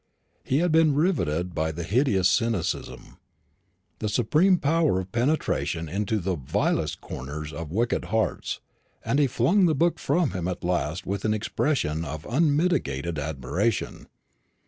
He had been riveted by the hideous cynicism, the supreme power of penetration into the vilest corners of wicked hearts; and he flung the book from him at last with an expression of unmitigated admiration.